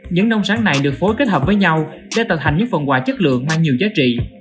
những nông sáng này được phối kết hợp với nhau để tạo thành những phần quà chất lượng mang nhiều giá trị